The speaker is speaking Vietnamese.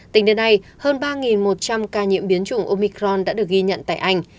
tính đến nay hơn ba một trăm linh ca nhiễm biến chủng omicron đã được ghi nhận tại anh